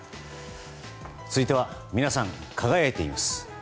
続いては皆さん、輝いています。